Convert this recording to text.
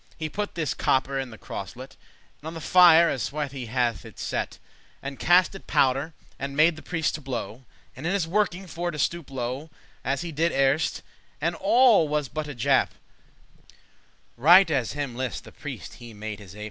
He put this copper in the crosselet, And on the fire as swithe* he hath it set, *swiftly And cast in powder, and made the priest to blow, And in his working for to stoope low, As he did erst,* and all was but a jape; *before trick Right as him list the priest *he made his ape.